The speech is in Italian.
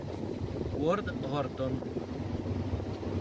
Ward Horton